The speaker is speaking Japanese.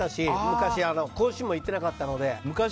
昔、更新も行ってなかったので。